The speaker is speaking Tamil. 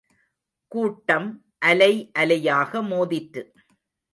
கூட்டம் அலை அலையாக மோதிற்று.